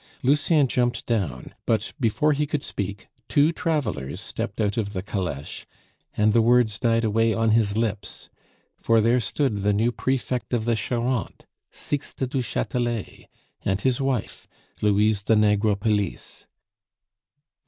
Lucien jumped down, but before he could speak two travelers stepped out of the caleche, and the words died away on his lips; for there stood the new Prefect of the Charente, Sixte du Chatelet, and his wife, Louise de Negrepelisse.